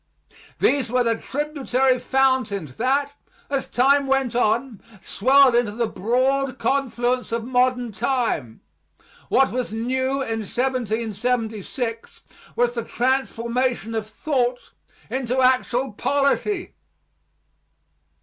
These were the tributary fountains, that, as time went on, swelled into the broad confluence of modern time. What was new in 1776 was the transformation of thought into actual polity.